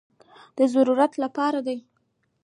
د ضرورت لپاره دي.